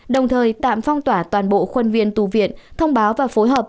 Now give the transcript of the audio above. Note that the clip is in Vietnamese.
đồng thời tạm phong tỏa toàn bộ khuân viên tu viện thông báo và phối hợp